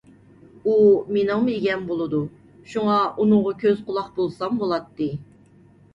ئۇ مېنىڭمۇ ئىگەم بولىدۇ، شۇڭا ئۇنىڭغا كۆز - قۇلاق بولسام بولاتتى.